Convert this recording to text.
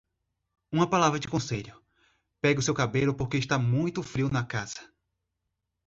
Uma palavra de conselho, pegue o seu cabelo porque está muito frio na casa.